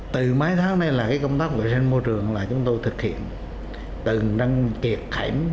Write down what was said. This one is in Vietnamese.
từ mấy tháng nay là công tác vệ sinh môi trường là chúng tôi thực hiện từng nâng kiệt